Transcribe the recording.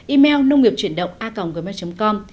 email nông nghiệp chuyển động a gmail com